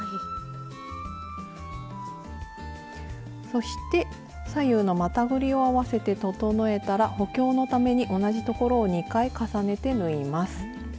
そして左右のまたぐりを合わせて整えたら補強のために同じところを２回重ねて縫います。